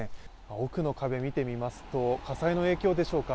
奥の壁、見てみますと火災の影響でしょうか。